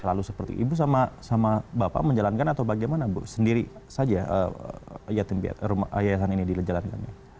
lalu seperti ibu sama bapak menjalankan atau bagaimana sendiri saja ayah ayah ini dilanjalkannya